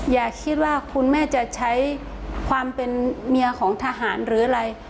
อย่าคิดว่าคุณแม่จะใช้ความเป็นเมียของทหารหรืออะไร